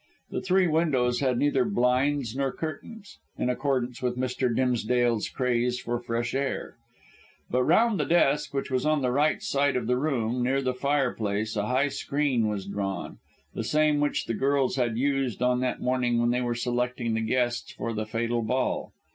The three windows had neither blinds nor curtains, in accordance with Mr. Dimsdale's craze for fresh air; but round the desk, which was on the right side of the room, near the fireplace, a high screen was drawn, the same which the girls had used on that morning when they were selecting the guests for the fatal ball.